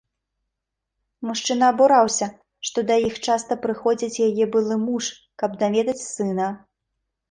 Мужчына абураўся, што да іх часта прыходзіць яе былы муж, каб наведаць сына.